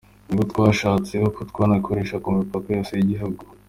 Nibwo twashatse uko twanarikoresha ku mipaka yose y’igihugu.